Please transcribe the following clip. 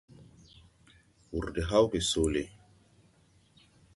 Wùr de hàw gè soole.